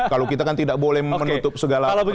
kalau kita kan tidak boleh menutup segala persepsi kan